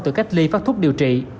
từ cách ly phát thuốc điều trị